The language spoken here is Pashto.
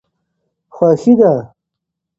خوښي ده.